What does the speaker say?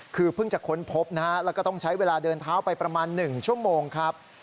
คือเพิ่งจะค้นพบนะฮะแล้วก็ต้องใช้เวลาเดินเท้าไปประมาณ๑ชั่วโมงครับ